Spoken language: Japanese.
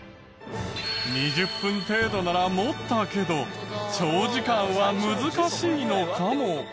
２０分程度なら持ったけど長時間は難しいのかも。